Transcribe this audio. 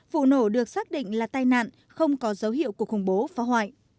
vụ nổ được xác định là tai nạn không có dấu hiệu của khủng bố phá hoại